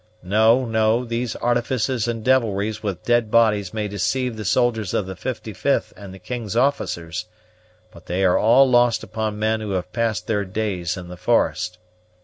No, no! these artifices and devilries with dead bodies may deceive the soldiers of the 55th and the king's officers; but they are all lost upon men who have passed their days in the forest.